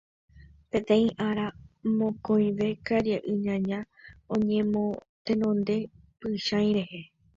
Peteĩ ára, mokõive karia'y ñaña oñemotenonde Pychãi rehe.